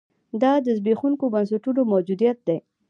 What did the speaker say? دا د زبېښونکو بنسټونو موجودیت دی.